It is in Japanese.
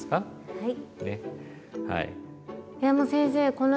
はい。